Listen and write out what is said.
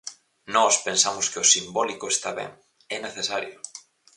Nós pensamos que o simbólico está ben, é necesario.